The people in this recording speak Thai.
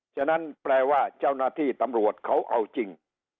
ฉะนั้นแปลว่าเจ้าหน้าที่ตำรวจเขาเอาจริง